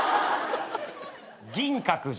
銀閣寺。